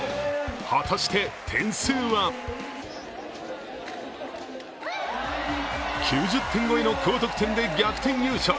果たして点数は９０点超えの高得点で逆転優勝。